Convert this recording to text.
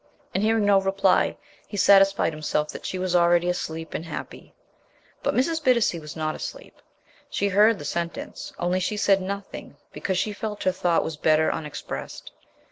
And hearing no reply, he satisfied himself that she was already asleep and happy. But Mrs. Bittacy was not asleep. She heard the sentence, only she said nothing because she felt her thought was better unexpressed.